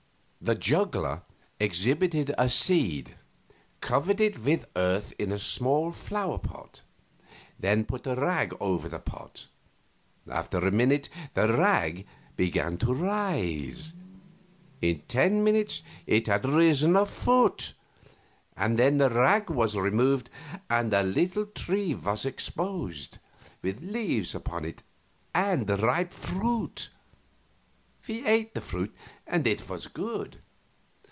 The juggler exhibited a seed, covered it with earth in a small flower pot, then put a rag over the pot; after a minute the rag began to rise; in ten minutes it had risen a foot; then the rag was removed and a little tree was exposed, with leaves upon it and ripe fruit. We ate the fruit, and it was good.